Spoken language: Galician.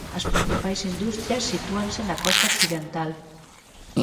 As principais industrias sitúanse na costa occidental.